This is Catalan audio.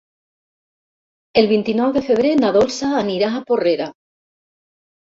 El vint-i-nou de febrer na Dolça anirà a Porrera.